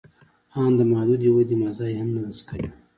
آن د محدودې ودې مزه یې هم نه ده څکلې